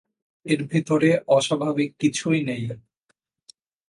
এর ভেতরে অস্বাভাবিক কিছুই নেই।